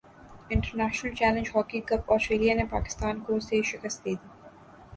international challenge hockey cup Australia نے پاکستان کو سے شکست دے دی